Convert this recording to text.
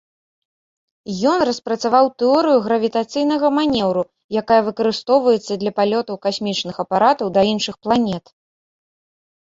Ён распрацаваў тэорыю гравітацыйнага манеўру, якая выкарыстоўваецца для палётаў касмічных апаратаў да іншых планет.